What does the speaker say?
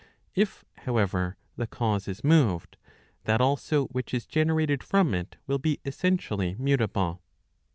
If, how¬ ever, the cause is moved, that also which is generated from it will be essentially mutable.